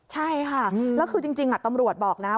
ใช่ค่ะแล้วคือจริงตำรวจบอกนะ